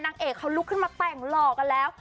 นางเอกเขาลุกขึ้นมาแต่งหล่อกันแล้ว